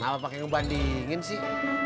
kenapa pake ngebandingin sih